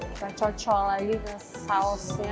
kita cocok lagi ke sausnya